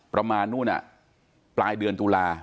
ประมาณนู่นปลายเดือนตุลา